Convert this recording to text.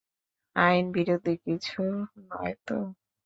আইনবিরোধী কিছু নয় তো।